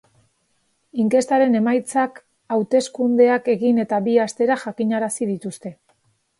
Inkestaren emaitzak hauteskundeak egin eta bi astera jakinarazi dituzte.